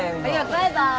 バイバーイ。